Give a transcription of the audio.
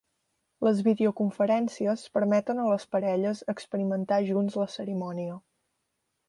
Les videoconferències permeten a les parelles experimentar junts la cerimònia.